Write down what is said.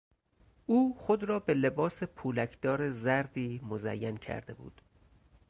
او خود را به لباس پولکدار زردی مزین کرده بود.